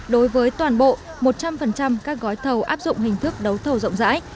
đối với toàn bộ một trăm linh các gói thầu áp dụng hình thức đấu thầu rộng rãi